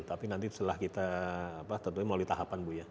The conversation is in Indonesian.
tapi nanti setelah kita tentunya melalui tahapan bu ya